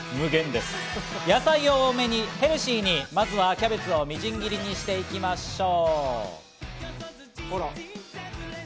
野菜を多めにヘルシーに、まずはキャベツをみじん切りにしていきましょう。